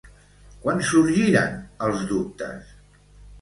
Quan sorgiren els dubtes?